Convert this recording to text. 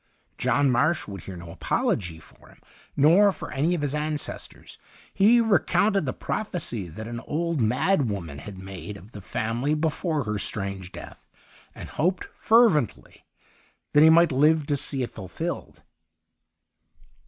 John Marsh would hear no apology for him, nor for any of his ancestors ; he recounted the prophecy that an old mad woman had made of the family before her strange death, and hoped, fervently, that he might live to see it fulfilled.